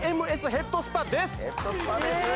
ヘッドスパですー！